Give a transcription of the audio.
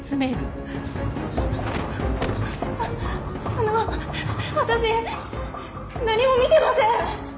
あの私何も見てません！